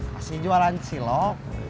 masih jualan silok